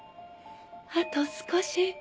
あと少し！